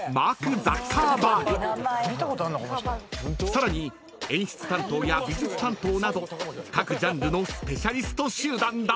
［さらに演出担当や美術担当など各ジャンルのスペシャリスト集団だ］